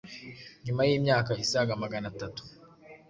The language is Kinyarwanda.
Nyuma y’imyaka isaga maganatatu,